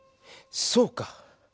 そうか。